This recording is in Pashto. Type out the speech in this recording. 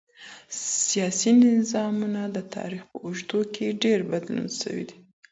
سياسي نظامونه د تاريخ په اوږدو کي ډېر بدل سوي دي.